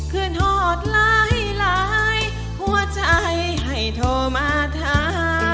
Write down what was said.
คืนหอดหลายหลายหัวใจให้โทรมาทำ